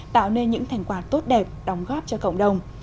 tạo nên những thành quả tốt đẹp đóng góp cho cộng đồng